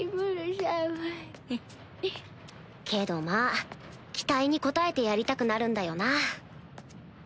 けどまぁ期待に応えてやりたくなるんだよな。